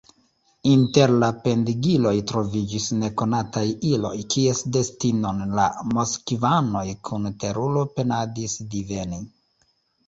Inter la pendigiloj troviĝis nekonataj iloj, kies destinon la moskvanoj kun teruro penadis diveni.